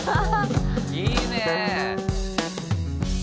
いいね！